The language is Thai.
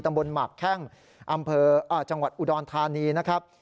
ตำบลหมับแข้งอำเภออ่าจังหวัดอุดรธานีนะครับ